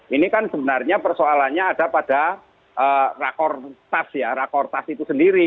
ini kan sebenarnya persoalannya ada pada rakortas ya rakortas itu sendiri